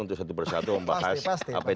untuk satu persatu membahas apa yang